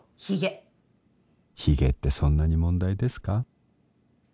ヒゲヒゲってそんなに問題ですか？